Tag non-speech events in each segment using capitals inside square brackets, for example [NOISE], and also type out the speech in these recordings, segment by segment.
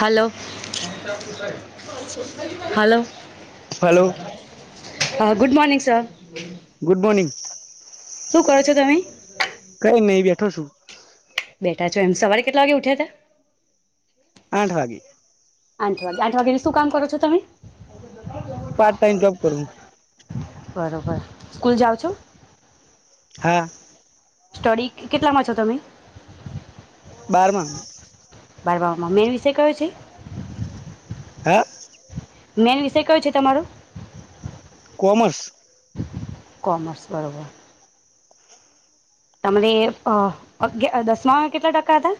હાલો. Hello. Hello [UNINTELLIGIBLE] અહ good morning sir. Good morning. શું કરો છો તમે? કંઈ નહીં બેઠો છું. બેઠા છો એમ સવારે કેટલા વાગે ઉઠ્યા તા? આઠ વાગે. આઠ વાગે આઠ વાગેના શું કામ કરો છો તમે? પાર્ટ ટાઈમ જોબ કરું બરોબર. સ્કૂલ જાઓ છો? હા. સ્ટડી કેટલામાં છો તમે? બારમામાં બારમામાં મેન વિશે કયો છે? હે? મેન વિષય કયો છે તમારો? કોમર્સ. કોમર્સ બરોબર. તમને અહ અગિયા દસમામાં કેટલા ટકા હતા?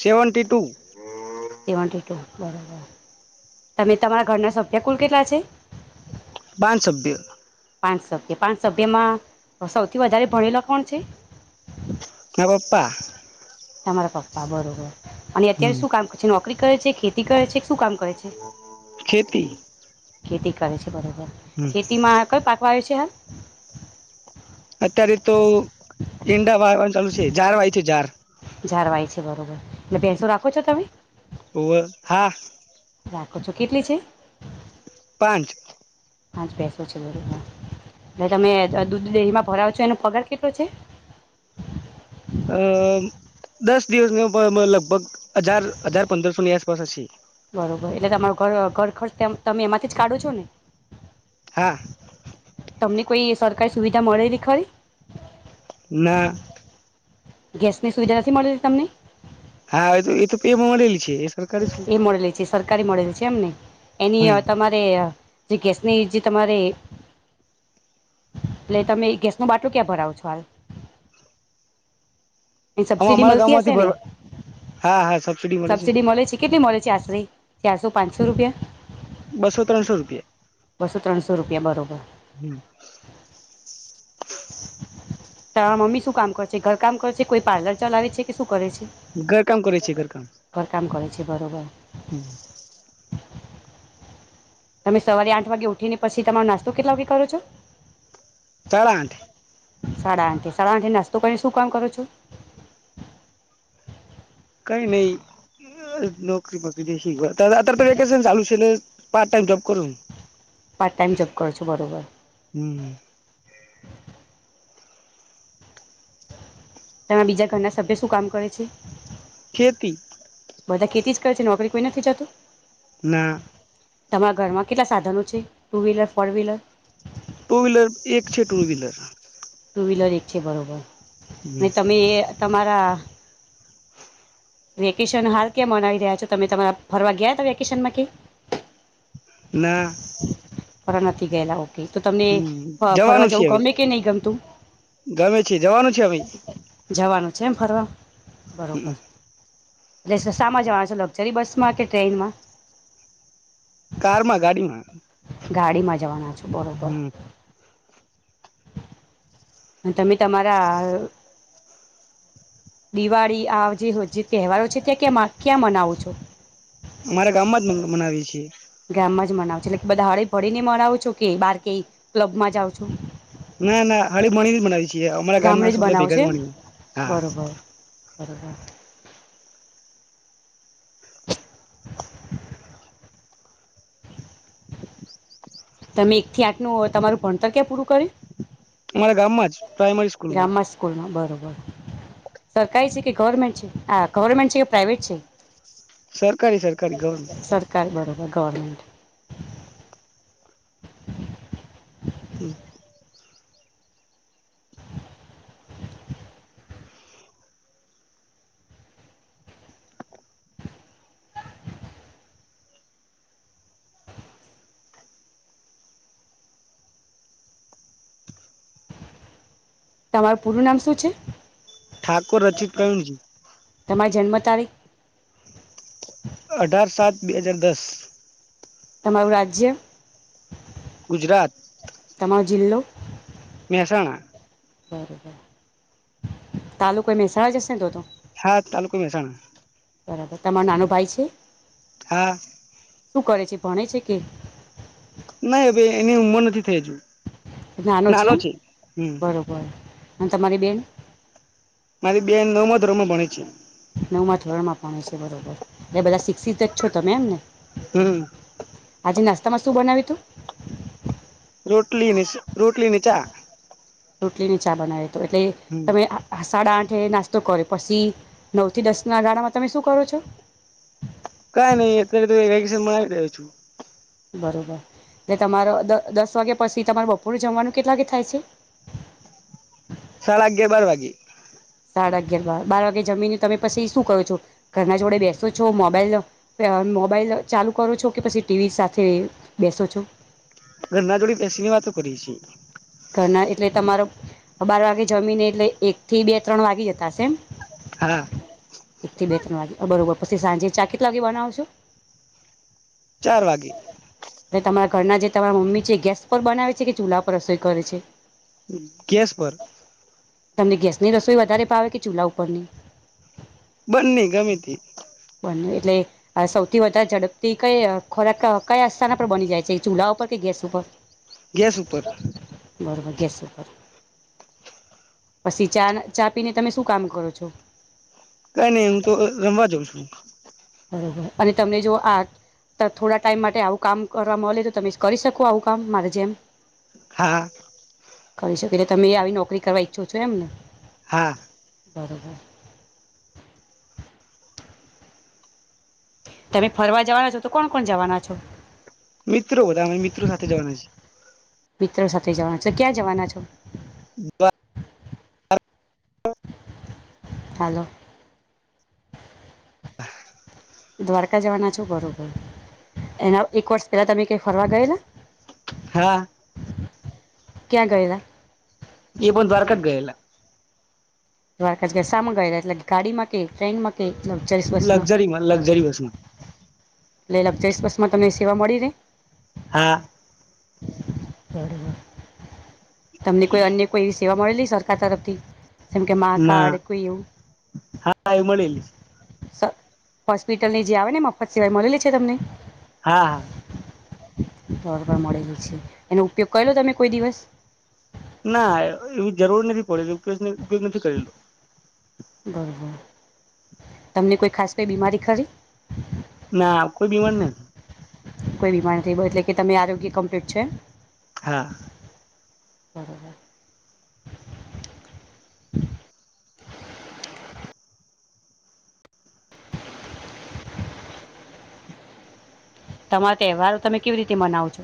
Seventy two. સેવન્ટી ટુ બરાબર તમે તમારા ઘરના સભ્ય કુલ કેટલા છે? પાંચ સભ્ય પાંચ સભ્ય, પાંચ સભ્યમાં સૌથી વધારે ભણેલા કોણ છે? મારા પપ્પા. તમારા પપ્પા બરોબર. અને હમ અત્યારે શું કામ કરે છે? નોકરી કરે છે? ખેતી કરે છે? શું કામ કરે છે? ખેતી ખેતી કરે છે. બરોબર, હમ ખેતી માં કયો પાક વાવ્યો છે? કેમ? અત્યારે તો ઈંડા વાવવાનું ચાલુ છે ઝાર વાય છે ઝાર જાર વાય છે બરોબર, એટલે ભેસો રાખો છો તમે? ઓવે હા રાખો છો, કેટલી છે? પાંચ. પાંચ ભેસો છે બરોબર, ને તમે દૂધ દેહીમાં ભરાવો છો એનો પગાર કેટલો છે? અ દસ દિવસ લગભગ હજાર હજાર પંદરસોની આસપાસ હશે. બરોબર, એટલે તમારો ઘર ઘર ખર્ચ તમે એમાંથી જ કાઢો છો ને? હા. તમને કોઈ સરકારી સુવિધા મળેલી ખરી? ના. ગેસની સુવિધા નથી મળેલી તમને? હા એ તો એ તો એમાં મળેલી છે. સરકારી છે. એ મળેલી છે સરકારી મળેલી છે એમને હમ એની તમારે જે ગેસ ની જે તમારે એટલે તમે ગેસ ન બાટલો ક્યાં ભરાવો છો હાલ? એ હ સબસિડી અમારા ગામ મળતી માંથી હશે ને ભરવા હા હા સબસીડી મલે છે. સબસિડી મળે કેટલી મળે આશરે ચારસો પાંચસો રૂપિયા બસો-ત્રણસો રૂપિયા બસો ત્રણસો રૂપિયા બરોબર હમ. તમા મમ્મી શું કામ કર છે? ઘર કામ કરે છે? કોઈ પાર્લર ચલાવે છે? કે શું કરે છે ઘર કામ કરે છે ઘર કામ ઘરકામ કરે છે બરોબર હમ. તમે સવારે આઠ વાગે ઉઠીને પછી તમારો નાસ્તો કેટલા વાગે કરો છો? સડા આઠે. સાડા આઠે, સાડા આઠે નાસ્તો કરી શું કામ કરો છો? કઈ નહી અહ નોકરી પછી જઈશું ઘર. તા અત્યારેતો વેકેશન ચાલુ છે પાર્ટ ટાઈમ જોબ કરુ હુ. પાર્ટ ટાઈમ જોબ કરો છો, બરોબર. હમ તમે બીજા ઘરના સભ્ય શું કામ કરે છે? ખેતી. બધા ખેતી જ કરે છે, નોકરી કોઈ નથી જાતું? ના. તમારા ઘરમાં કેટલા સાધનો છે? Two wheeler, four wheeler? Two wheeler એક છે ટુ વ્હીલર. ટુ વ્હીલર એક છે બરોબર. વે તમે એ તમારા વેકેશન હાલ ક્યાં મનાવી રહ્યા છો, તમે તમારા ફરવા ગયા થા વેકેશનમાં કઈ? ના. ફેરવે નથી ગયેલા હો. હમ્મ જવાનું છે હવે. કે નહીં ગમતું ગમે છે જવાનું છે હવે. જેમ ફરવા બરોબર. એટલે સ-સામા જવાના છો, લક્ઝરી બસ માં કે ટ્રેનમાં? કારમાં, ગાડીમાં. ગાડીમાં જવાના. છો બરોબર. તમે તમારા દિવાળી આ જે તે જે તહેવારો છે તે ક્યાં મા ક્યાં મનાવો છો અમારા ગામમાં જ મનાવીએ છીએ ગામમાં જ મનાવ છો એટલે બધા હળી ભળીને મનાવું છો કે બાર કે ક્લબમાં જાઓ છો? ના ના હળી મળી ને મનાવીએ છીએ અમારા ગામ ગામડે ના જ છોકરા બનાવો છો ભેગા એમ મળીને હા. બરોબર [UNINTELLIGIBLE] તમે એક થી આઠ નું તમારું ભણતર ક્યાં પૂરું કર્યું? અમારા ગામમાં જ પ્રાઈમરી સ્કૂલમાં. ગામમાં સ્કૂલમાં બરોબર સરકારી છે કે ગવર્મેન્ટ છે આ ગવર્મેન્ટ છે કે પ્રાઈવેટ છે? સરકારી સરકારી ગવર્મેન્ટ સરકાર બરોબર ગવર્મેન્ટ. [UNINTELLIGIBLE] તમારું પૂરું નામ શું છે? ઠાકોર રચિત પ્રવીણ જી તમારી જન્મ તારીખ અઢાર સાત બે હજાર દસ તમારું રાજ્ય? ગુજરાત તમારો જિલ્લો? મહેસાણા બરોબર તાલુકો એ મહેસાણા નાજ હશે ને તોતો? હા તાલુકો મહેસાણા બરાબર તમારો નાનો ભાઈ છે? હા. શું કરે છે ભણે છે કે? નહી હવે એની ઉંમર નથી થઈ હજુ. નાનો છે બરોબર અને તમારી બેન? મારી બેન નવમા ધોરણમાં ભણે છે. નવમાં ધોરણ માં ભણે છે બરોબર ને બધા શિક્ષિત તજ છો તમે એમ ને? હમ્મ. આજે નાસ્તામાં શું બનાવ્યું તું? રોટલી ને રોટલી ને ચા. રોટલી ને ચા બનાયા તો એટલે હમ તમે સાડા આઠે એ નાસ્તો કરો. પછી નવ થી દસ ના ગાળામાં તમે શું કરો છો? કઈ નહીં અત્યારે તો વેકેશન મનાવી રહ્યો છું. બરોબર એટલે તમારો દસ દસ વાગ્યા પછી તમારે બપોરે જમવાનું કેટલા વાગે થાય છે? સાડા અગિયાર બાર વાગે. સાડા અગિયાર બાર. બાર વાગે જમીને તમે પછી શું કરો છો, ઘરના જોડે બેસો છો, મોબાઈલ અ મોબાઈલ ચાલુ કરો છો કે પછી ટીવી સાથે બેસો છો? ઘરના જોડી બેસીની વાતો કરીએ છીએ. ઘરના એટલે તમારો બાર વાગે જમીને એટલે એક થી બે ત્રણ વાગી જતા હશે એમ. હા. એક થી બે ત્રણ વાગે અ બરોબર પછી સાંજે ચા કેટલા વાગે બનાવો છો? ચાર વાગે. એટલે તમારા ઘરના જે તમારા મમ્મી છે એ ગેસ પર બનાવે છે કે ચૂલા પર રસોઈ. કરે છે. ગેસ પર તમને ગેસ ની રસોઈ વધારે ભાવે કે ચૂલા ઉપરની? બંને ગમેતી. એટલે સૌથી વધારે ઝડપથી કંઈ ખોરાક કયા શાના પર બની જાય છે, ચૂલા ઉપર કે ગેસ ઉપર? ગેસ ઉપર. બરોબર ગેસ પછી ચા ને ચા પીને તમે શું કામ કરો છો? કંઈ નઈ એમ તો રમવા જઉં છું. બરોબર અને તમને જો આ ત થોડા ટાઈમ માટે આવું કામ કરવા મલે તો તમે કરી શકો આવું કામ મારે જેમ? હા. કરી શકે એટલે તમે આવી નોકરી કરવા ઈચ્છો છો એમને. હા. બરોબર. તમે ફરવા જાવાના છો તો કોણ કોણ જાવાના છો? મિત્રો બધા અમે મિત્રો સાથે જવાના છી. મિત્રો જવાના છે, ક્યાં જવાના છો? બા હાલો. દ્વારકા જવાના છો બરોબર. એના એક વર્ષ પેલા તમે ક્યાંય ફરવા ગયેલા? હા. ક્યાં ગયેલા? એ પન દ્વારકા જ ગયેલા. દ્વારકા જ ગયેલા શામાં ગયેલા એટલે કે ગાડીમાં કે ઓકે ટ્રેન માં કે લક્ઝરીસ બસમાં લક્ઝરીમાં લક્ઝરી બસમાં એ લક્ઝરીસ બસમાં તમને સેવા મળી રે? હા બરોબર તમને કોઈ અન્ય કોઈ સેવા મળેલી સરકાર તરફથી જેમ કે માં ના કાર્ડ કોઈ એવું હા એ મળેલી હોસ્પિટલની જે આવે ને મફત સેવા એ મળેલી છે તમને હા હા બરોબર મળેલી છે. એનો ઉપયોગ કરેલો તમે કોઈ દિવસ? ના એવુ જરૂર નથી પડેલુ. ઉપયોગનું ઉપયોગ નથી કરેલુ. બરોબર. તમને કોઈ ખાસ કઈ બીમારી ખરી? ના કોઈ બીમારી નહી. કોઈ બીમારી નથી. બ એટલે કે તમે આરોગ્ય કમ્પ્લીટ છે. હા, બરોબર. તમારો તહેવાર તમે કેવી રીતે મનાવ છો?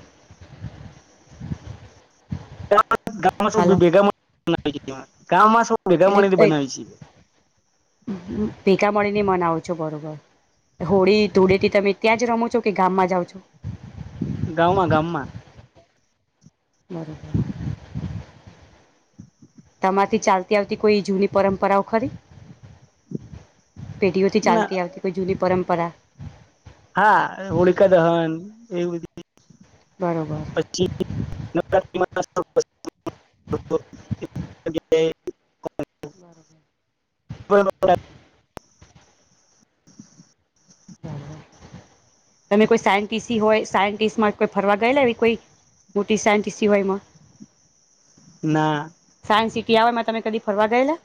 [UNINTELLIGIBLE] બે હાલો ભેગા મળી કામ મા સો. ભેગા મળીથી એટલે બનાવી છે. ભેગા મળીને મનાવો છો, બરોબર. હોળી ધૂળેથી તમે ત્યાં જ રમો છો કે ગામમાં જાઓ છો. ગાવમાં ગામમાં. બરોબર. તમારથી ચાલતી આવતી, કોઈ જૂની પરંપરાઓ ખરી? પેઢીઓથી ના ચાલતી આવતી કોઈ જુદી પરં પરા. હા, હોળકા દહન એવુ બ બરોબર પછી [INAUDIBLE] બરોબર [INAUDIBLE] તમે કોઈ સાયન્ટિસી હોય, સાયન્ટિસ્ટમાં કોઈ ફરવા ગયલા એવી કોઈ મોટી સાયન્ટિસી વાલી માં. ના. પછી ત્યાંવયમા તમે કદી ફરવા ગયેલા?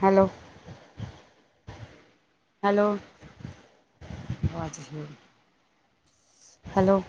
હાલો. હાલો અવાજ જ હાલો.